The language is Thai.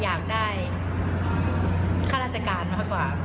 อยากได้ค่าราชการมากกว่า